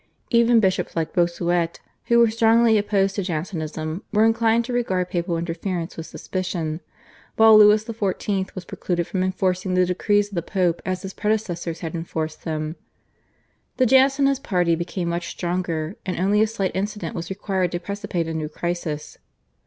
Even bishops like Bossuet, who were strongly opposed to Jansenism, were inclined to regard papal interference with suspicion, while Louis XIV. was precluded from enforcing the decrees of the Pope as his predecessors had enforced them. The Jansenist party became much stronger, and only a slight incident was required to precipitate a new crisis.